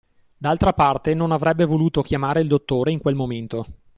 D'altra parte, non avrebbe voluto chiamare il dottore in quel momento.